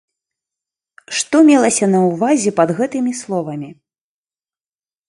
Што мелася на ўвазе пад гэтымі словамі?